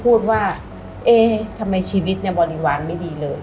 พูดว่าเอ๊ะทำไมชีวิตเนี่ยบริวารไม่ดีเลย